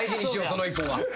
その１本は。